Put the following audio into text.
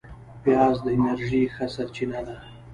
پیاز د انرژۍ ښه سرچینه ده